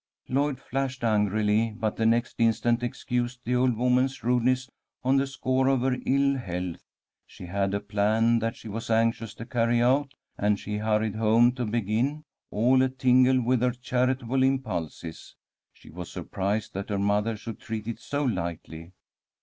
Lloyd flushed angrily, but the next instant excused the old woman's rudeness on the score of her ill health. She had a plan that she was anxious to carry out, and she hurried home to begin, all a tingle with her charitable impulses. She was surprised that her mother should treat it so lightly.